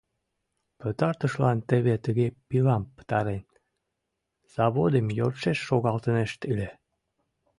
Пытартышлан, теве тыге пилам пытарен, заводым йӧршеш шогалтынешт ыле.